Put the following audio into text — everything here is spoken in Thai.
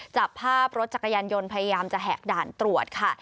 จับภาพรถจักรยานยนต์พยายามจะแหกด่านตรวจค่ะ